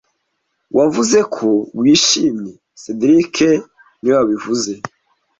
Wavuze ko wishimye cedric niwe wabivuze